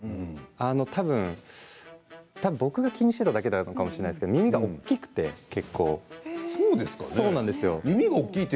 たぶん僕が気にしているだけなのかもしれないですけど耳が結構大きくて。